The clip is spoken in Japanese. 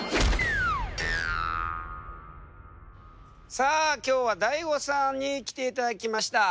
さあ今日はＤＡＩＧＯさんに来ていただきました。